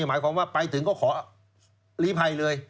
หมายความว่าไปถึงก็ขอลีภัยเลย